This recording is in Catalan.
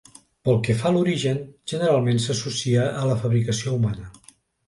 Pel que fa a l'origen, generalment s'associa a la fabricació humana.